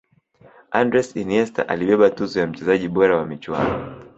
andres iniesta alibeba tuzo ya mchezaji bora wa michuano